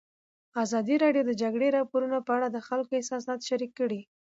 ازادي راډیو د د جګړې راپورونه په اړه د خلکو احساسات شریک کړي.